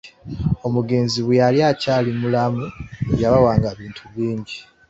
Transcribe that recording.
Omugenzi bwe yali akyali mulamu yabawanga ebintu bingi.